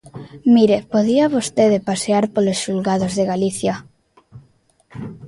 Mire, podía vostede pasear polos xulgados de Galicia.